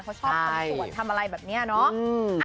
เขาชอบทำสวดทำอะไรแบบนี้เนาะ